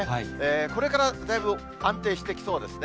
これからだいぶ安定してきそうですね。